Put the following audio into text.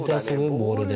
ボールで。